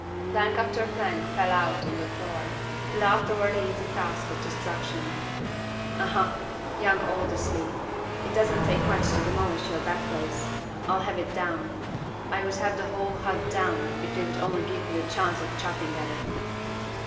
Plank after plank fell out on the floor. He laughed over the easy task of destruction. "Aha! young Aldersley! It doesn't take much to demolish your bed place. I'll have it down! I would have the whole hut down, if they would only give me the chance of chopping at it!"